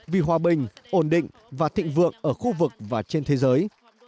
vì hòa bình ổn định và thịnh vượng ở khu vực và trên thế giới